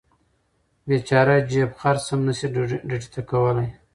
بیچاره جیب خرڅي هم نشي ډډې ته کولی.